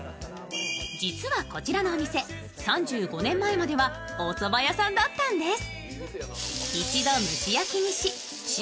実はこちらのお店、３５年前まではおそば屋さんだったんです。